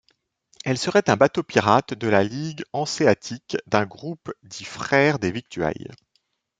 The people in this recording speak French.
Elle serait un bateau-pirate de la Ligue hanséatique d'un groupe dit Frère des victuailles.